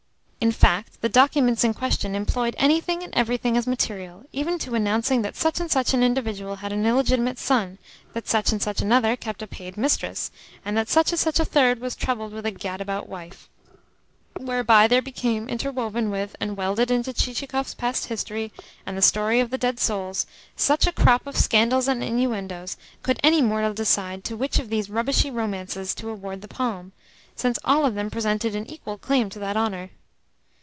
In fact, the documents in question employed anything and everything as material, even to announcing that such and such an individual had an illegitimate son, that such and such another kept a paid mistress, and that such and such a third was troubled with a gadabout wife; whereby there became interwoven with and welded into Chichikov's past history and the story of the dead souls such a crop of scandals and innuendoes that by no manner of means could any mortal decide to which of these rubbishy romances to award the palm, since all of them presented an equal claim to that honour.